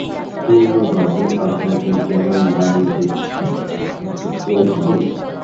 পূর্ণবাবু, আপনাকে কেমন ম্লান দেখছি, অসুখ করেছে কি?